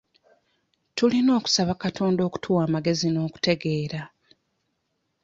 Tulina okusaba Katonda okutuwa amagezi n'okutegeera.